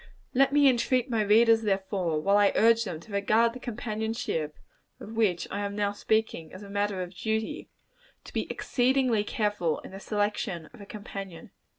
Let me entreat my readers, therefore, while I urge them to regard the companionship of which I am now speaking as a matter of duty, to be exceedingly careful in their selection of a companion.